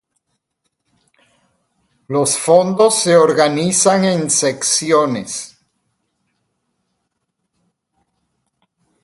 Los fondos se organizan en secciones.